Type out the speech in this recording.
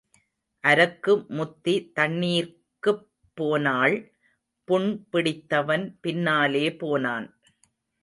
அரக்கு முத்தி தண்ணீர்க்குப் போனாள் புண் பிடித்தவன் பின்னாலே போனான்.